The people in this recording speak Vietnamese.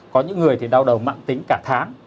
có những người thì đau đầu mạng tính cả tháng